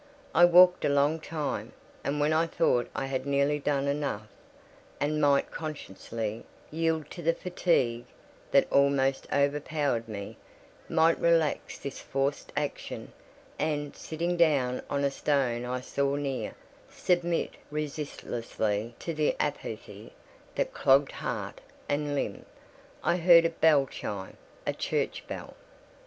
I walked a long time, and when I thought I had nearly done enough, and might conscientiously yield to the fatigue that almost overpowered me—might relax this forced action, and, sitting down on a stone I saw near, submit resistlessly to the apathy that clogged heart and limb—I heard a bell chime—a church bell.